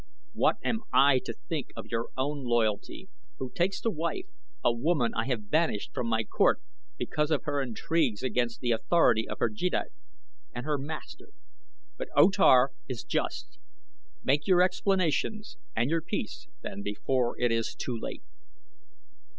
What am I to think of your own loyalty, who takes to wife a woman I have banished from my court because of her intrigues against the authority of her jeddak and her master? But O Tar is just. Make your explanations and your peace, then, before it is too late."